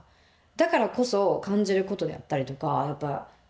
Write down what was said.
だからこそ感じることであったりとかやっぱ。